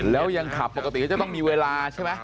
แล้วยังขับปกติก็จะต้องมีเวลาใช่ไหม